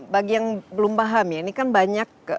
bagi yang belum paham ya ini kan banyak